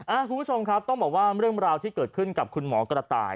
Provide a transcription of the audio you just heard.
คุณผู้ชมครับต้องบอกว่าเรื่องราวที่เกิดขึ้นกับคุณหมอกระต่าย